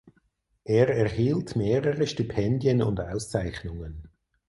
Er erhielt mehrere Stipendien und Auszeichnungen.